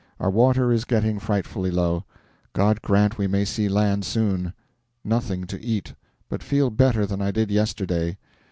Our water is getting frightfully low. God grant we may see land soon! NOTHING TO EAT, but feel better than I did yesterday.